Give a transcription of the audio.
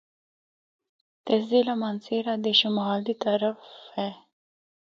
تے ضلع مانسہرہ دے شمال دی طرف اے۔